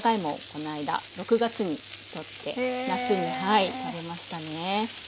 この間６月にとって夏に食べましたね。